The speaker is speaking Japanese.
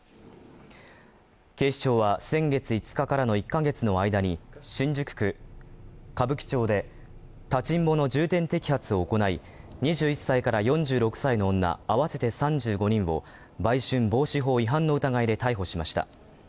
警視庁は先月５日からの１か月の間に、新宿区歌舞伎町で立ちんぼの重点摘発を行い、２１歳から４６歳の女合わせて３５人を売春防止法違反の疑いで逮捕しました。